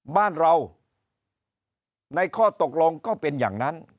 บ้านเราในข้อตกลงก็เป็นอย่างนั้น